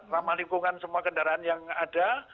ramah lingkungan semua kendaraan yang ada